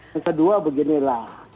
yang kedua beginilah